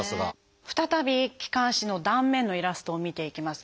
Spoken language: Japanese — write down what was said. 再び気管支の断面のイラストを見ていきます。